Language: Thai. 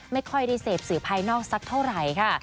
ไม่ค่อยได้เสพสื่อภายนอกสักเท่าไหร่ค่ะ